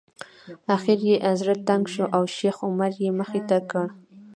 اخر یې زړه تنګ شو او شیخ عمر یې مخې ته کړ.